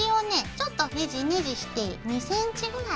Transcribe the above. ちょっとネジネジして２ｃｍぐらい。